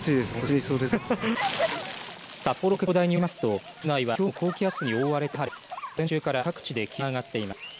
札幌管区気象台によりますと道内は、きょうも高気圧に覆われて晴れ午前中から各地で気温が上がっています。